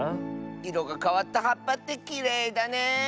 いろがかわったはっぱってきれいだね！